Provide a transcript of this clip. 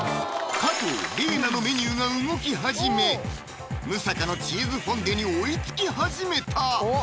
加藤・ＲＥＮＡのメニューが動き始め六平のチーズフォンデュに追いつき始めた！